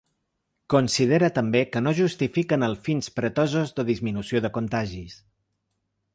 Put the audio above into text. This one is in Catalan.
Considera també que no justifiquen els fins pretesos de disminució de contagis.